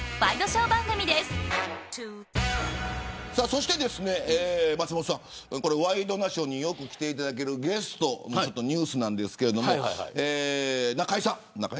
そして松本さんワイドナショーによく来ていただいているゲストのニュースなんですが中居さん。